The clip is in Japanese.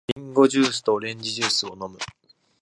リンゴジュースとオレンジジュースを飲む。